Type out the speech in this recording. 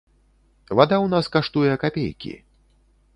Вада ў нас каштуе капейкі.